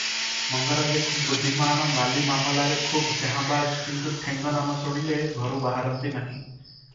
ମଙ୍ଗରାଜେ ଖୁବ୍ ବୁଦ୍ଧିମାନ, ମାଲି ମାମଲାରେ ଖୁବ୍ ଜାହାଁବାଜ; କିନ୍ତୁ ଠେଙ୍ଗନାମ ଶୁଣିଲେ ଘରୁ ବାହରନ୍ତି ନାହିଁ ।